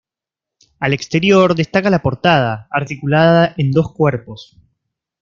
Al exterior destaca la portada, articulada en dos cuerpos.